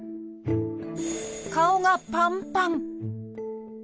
顔がパンパン！